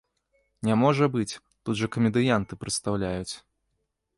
Не можа быць, тут жа камедыянты прыстаўляюць.